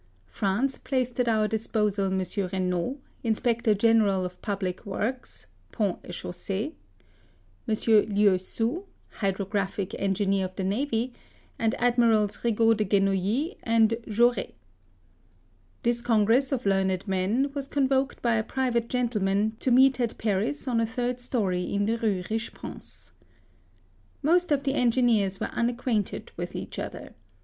France placed at our disposal M. Renaud, Inspector General of Public Works {ponts et chausseSs ); M. Lieussou, hydrographic en gineer of the navy ; and Admirals Rigault de Genouilly and Jaurfes. 28 HISTORY OF This congress of learned men was con voked by a private gentleman, to meet at Paris on a third storey in the Rue Riche pance.* Most of the engineers were unacquainted with each other.